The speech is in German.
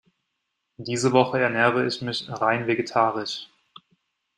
Diese Woche ernähre ich mich rein vegetarisch.